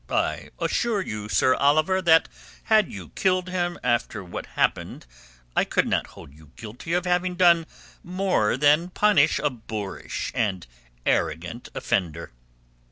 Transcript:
"I assure you, Sir Oliver, that had you killed him after what happened I could not hold you guilty of having done more than punish a boorish and arrogant offender."